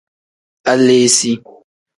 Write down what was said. Aleesi.